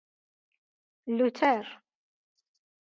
لوتر